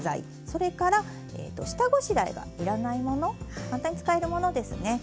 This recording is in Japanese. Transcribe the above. それから下ごしらえが要らないもの簡単に使えるものですね。